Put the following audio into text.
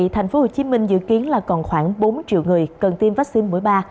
tp hcm dự kiến là còn khoảng bốn triệu người cần tiêm vaccine mũi ba